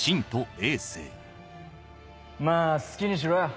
まぁ好きにしろよ。